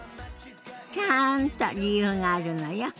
ちゃんと理由があるのよ。